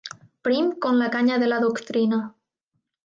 Prim com la canya de la doctrina.